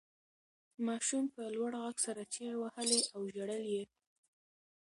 ماشوم په لوړ غږ سره چیغې وهلې او ژړل یې.